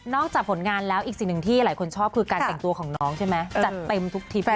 จากผลงานแล้วอีกสิ่งหนึ่งที่หลายคนชอบคือการแต่งตัวของน้องใช่ไหมจัดเต็มทุกทริป